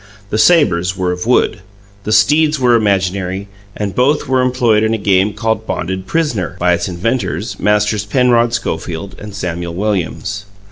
The sabres were of wood; the steeds were imaginary, and both were employed in a game called "bonded pris'ner" by its inventors, Masters Penrod Schofield and Samuel Williams.